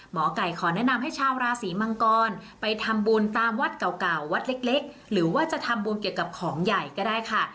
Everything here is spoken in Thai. หมอไก่ขอแนะนำให้ชาวราศีมังกรไปทำบุญตามวัดเก่าวัดเล็กหรือว่าจะทำบุญเกี่ยวกับของใหญ่ก็ได้ค่ะ